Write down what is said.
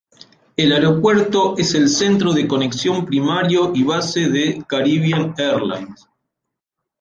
El aeropuerto es el centro de conexión primario y base de Caribbean Airlines.